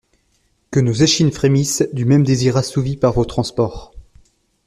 Que nos échines frémissent du même désir assouvi par vos transports.